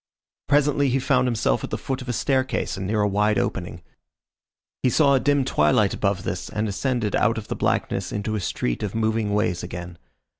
Presently he found himself at the foot of a staircase and near a wide opening. He saw a dim twilight above this and ascended out of the blackness into a street of moving ways again.